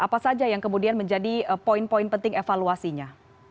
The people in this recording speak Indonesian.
apa saja yang kemudian menjadi poin poin penting evaluasinya